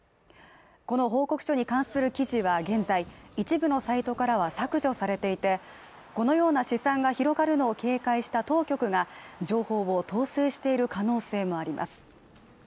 この報告書に関する記事は現在一部のサイトからは削除されていてこのような試算が広がるのを警戒した当局が情報を統制している可能性もあります